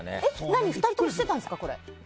何、２人とも知ってたんですかこれ。